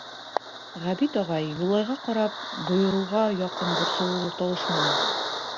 Ғәбит ағай, Юлайға ҡарап, бойороуға яҡын борсоулы тауыш менән: